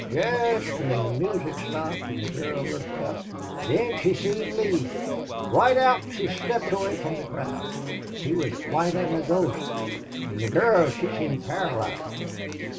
Jest whin the moosic sthopped an' the gurl looked up thin she seen Lee. Roight out he sthepped away from the crowd. He wuz whiter 'n a ghost. An' the gurl she seemed paralyzed.